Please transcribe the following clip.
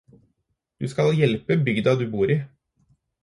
Du skal hjelpe bygda du bor i.